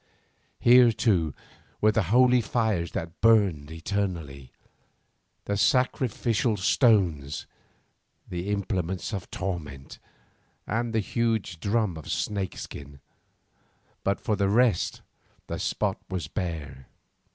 Here, too, were the holy fires that burned eternally, the sacrificial stones, the implements of torment, and the huge drum of snakes' skin, but for the rest the spot was bare.